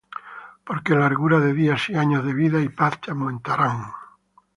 Porque largura de días, y años de vida Y paz te aumentarán.